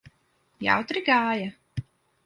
Jautri gāja?